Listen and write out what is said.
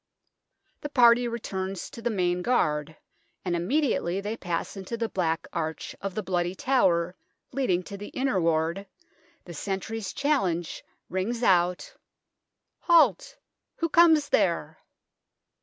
The party returns to the Main Guard, and immediately they pass into the black arch of the Bloody Tower leading to the Inner Ward, the sentry's challenge rings out " Halt ! Who comes there